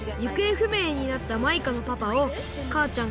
ふめいになったマイカのパパをかあちゃん